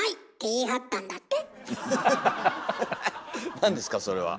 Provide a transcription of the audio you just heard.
何ですかそれは。